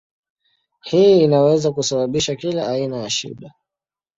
Hii inaweza kusababisha kila aina ya shida.